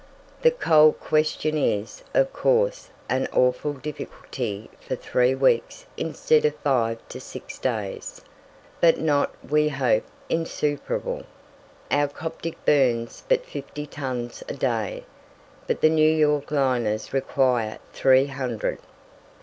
The coal question is, of course, an awful difficulty for three weeks instead of five to six days, but not, we hope, insuperable. Our "Coptic" burns but fifty tons a day, but the New York liners require three hundred.